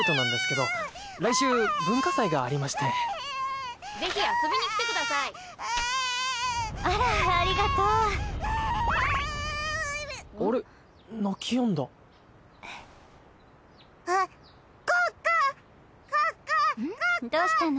どうしたの？